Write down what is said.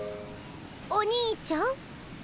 「お兄ちゃん」？